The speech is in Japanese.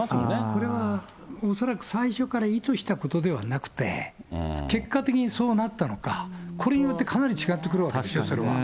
これは恐らく最初から意図したことではなくて、結果的にそうなったのか、これによってかなり違ってくるわけですよ、それは。